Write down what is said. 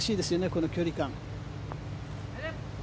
この距離感。